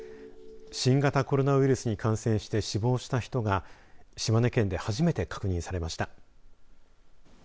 新型コロナウイルスに感染して死亡した人が島根県で初めて確認されました。